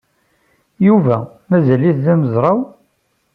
Yuba mazal-it d amezraw?